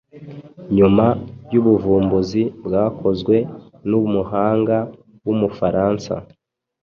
Nyuma y’ubuvumbuzi bwakozwe n’umuhanga w’Umufaransa